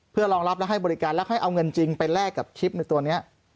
เพื่อรองรับและให้บริการแล้วค่อยเอาเงินจริงไปแลกกับทริปในตัวนี้